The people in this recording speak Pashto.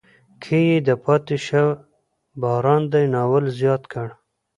کې یې د پاتې شه باران دی ناول زیات کړ.